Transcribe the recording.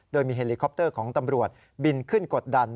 โดยมีเฮลิคอปเตอร์ของตำรวจบินขึ้นกดดัน